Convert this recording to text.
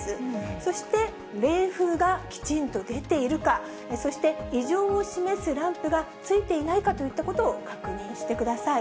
そして、冷風がきちんと出ているか、そして異常を示すランプがついていないかといったことを確認してください。